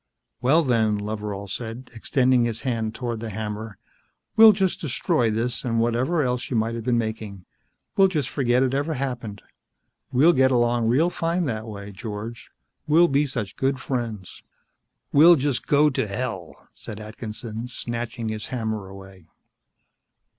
"Well, then," Loveral said, extending his hand toward the hammer, "we'll just destroy this and whatever else you might have been making. We'll just forget it ever happened. We'll get along real fine that way, George. We'll just be such good friends." "We'll just go to hell," said Atkinson, snatching his hammer away.